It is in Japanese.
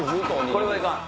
これはいかん！